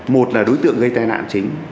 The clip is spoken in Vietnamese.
một là đối tượng gây tai nạn chính